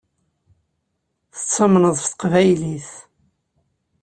Tettamneḍ s teqbaylit.